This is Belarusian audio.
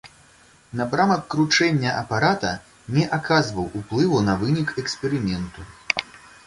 Напрамак кручэння апарата не аказваў уплыву на вынік эксперыменту.